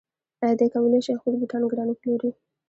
آیا دی کولی شي خپل بوټان ګران وپلوري؟